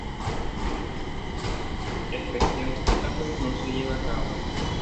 Especial cálculos no se llevan a cabo.